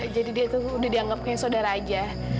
jadi kamu sudah dianggap sebagai saudara saja